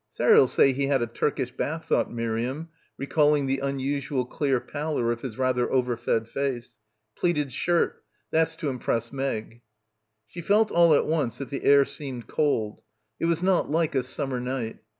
"Sarah'll say he's had a Turkish bath," thought Miriam, recalling the unusual clear pallor of his rather overfed face. "Pleated shirt. That's to impress Meg." She felt all at once that the air seemed cold. It was not like a summer night.